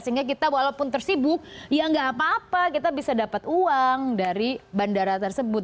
sehingga kita walaupun tersibuk ya nggak apa apa kita bisa dapat uang dari bandara tersebut